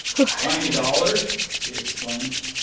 "Twenty dollars!" he exclaimed.